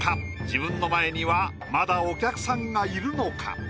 自分の前にはまだお客さんがいるのか？